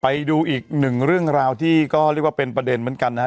ไปดูอีกหนึ่งเรื่องราวที่ก็เรียกว่าเป็นประเด็นเหมือนกันนะฮะ